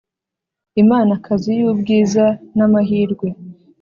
imanakazi y’ubwiza n’amahirwe